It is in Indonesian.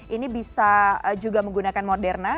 ini bisa juga menggunakan moderna